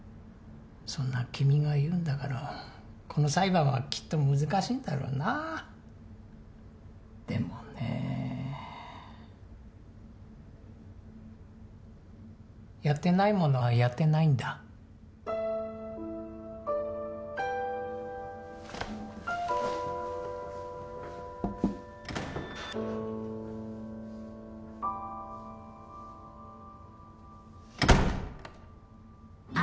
そんな君が言うんだからこの裁判はきっと難しいんだろうなあでもねえやってないものはやってないんだ会